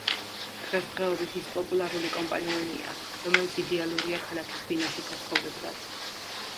დღესდღეობით ის პოპულარული კომპანიონია, რომელიც იდეალურია ქალაქის ბინაში საცხოვრებლად.